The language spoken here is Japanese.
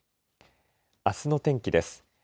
あすの天気です。